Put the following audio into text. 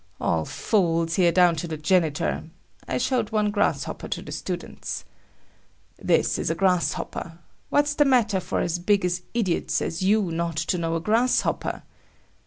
All fools here, down to the janitor. I showed one grasshopper to the students. "This is a grasshopper. What's the matter for as big idiots as you not to know a grasshopper."